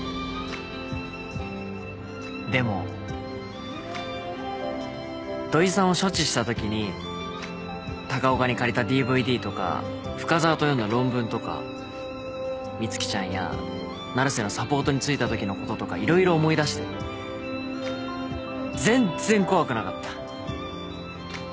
でも土居さんを処置したときに高岡に借りたＤＶＤとか深澤と読んだ論文とか美月ちゃんや成瀬のサポートについたときのこととか色々思い出して全然怖くなかった。